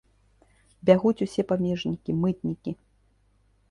Бягуць усе памежнікі, мытнікі.